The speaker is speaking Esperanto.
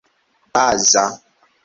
baza